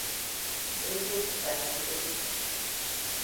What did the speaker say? Bridget beleegyezik.